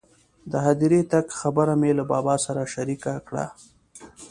د هدیرې تګ خبره مې له بابا سره شریکه کړه.